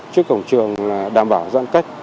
trước cổng trường đảm bảo giãn cách